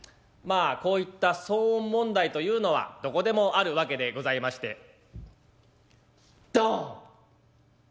まあこういった騒音問題というのはどこでもあるわけでございまして。